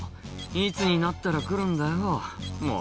「いつになったら来るんだよもう」